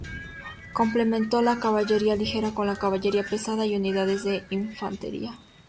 Complementó la caballería ligera con la caballería pesada y unidades de infantería.